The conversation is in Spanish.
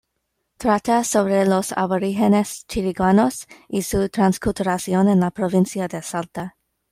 Trata sobre los aborígenes chiriguanos y su transculturación en la provincia de Salta.